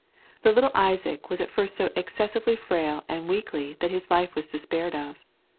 The little Isaac was at first so excessively frail and weakly that his life was despaired of.